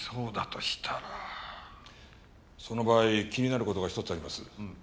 その場合気になる事が一つあります。